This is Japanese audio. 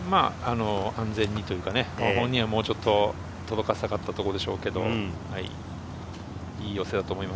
安全にというか、本人はもうちょっと届かせたかったところでしょうけど。